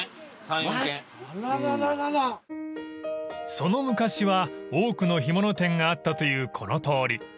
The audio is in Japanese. ［その昔は多くの干物店があったというこの通り］